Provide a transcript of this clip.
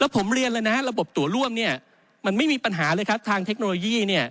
ผมเรียนเลยนะฮะระบบตัวร่วมเนี่ยมันไม่มีปัญหาเลยครับทางเทคโนโลยีเนี่ย